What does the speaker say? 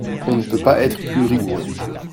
On ne peut pas être plus rigoureux